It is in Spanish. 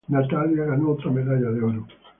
Natalia ganó otra medalla de oro.